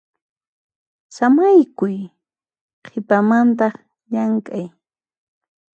Samaykuy qhipamantaq llamk'ay.